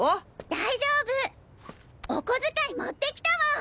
大丈夫！おこづかい持って来たもん。